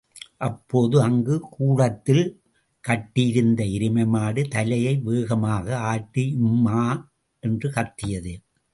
அப்போது அங்கு கூடத்தில் கட்டியிருந்த எருமை மாடு தலையை வேகமாக ஆட்டி ம்மா என்று கத்தியது.